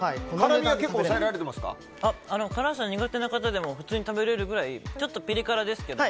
辛さは苦手な方でも普通に食べられるくらいちょっとピリ辛ですけど